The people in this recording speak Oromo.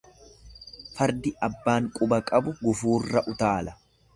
Fardi abbaan quba qabu gufuurra utaala.